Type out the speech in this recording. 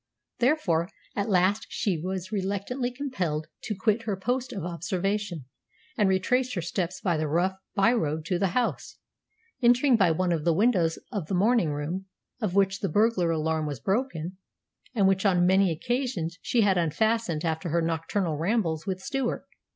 Therefore, at last she was reluctantly compelled to quit her post of observation, and retrace her steps by the rough byroad to the house, entering by one of the windows of the morning room, of which the burglar alarm was broken, and which on many occasions she had unfastened after her nocturnal rambles with Stewart.